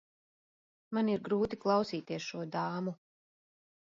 Man ir grūti klausīties šo dāmu.